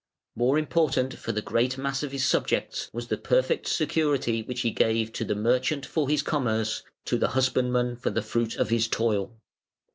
More important for the great mass of his subjects was the perfect security which he gave to the merchant for his commerce, to the husbandman for the fruit of his toil.